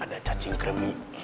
ada cacing kremi